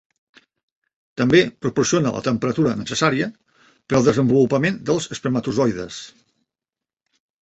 També proporciona la temperatura necessària per al desenvolupament dels espermatozoides.